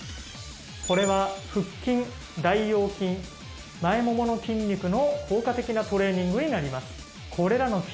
これは腹筋大腰筋前ももの筋肉の効果的なトレーニングになります。